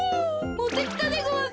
もってきたでごわす。